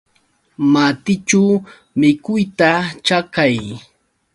Matićhu mikuyta chakay.